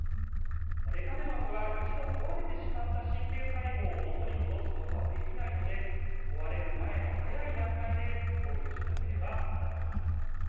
レカネマブは一度壊れてしまった神経細胞を元に戻すことはできないので壊れる前の早い段階で投与しなければならないのです。